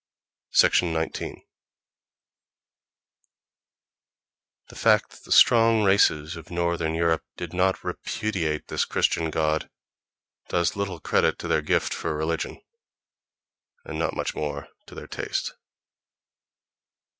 19. The fact that the strong races of northern Europe did not repudiate this Christian god does little credit to their gift for religion—and not much more to their taste.